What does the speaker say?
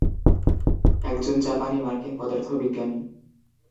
একজন জাপানি-মার্কিন পদার্থবিজ্ঞানী।